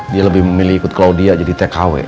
dia lebih memilih ikut claudia jadi tkw